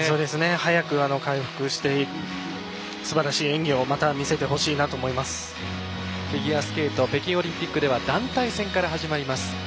早く回復してすばらしい演技をフィギュアスケート北京オリンピックでは団体戦から始まります。